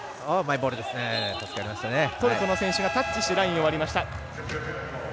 トルコの選手がタッチしてラインを割りました。